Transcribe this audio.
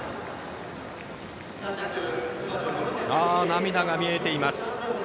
涙が見えています。